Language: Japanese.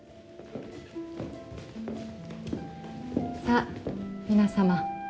さあ皆様。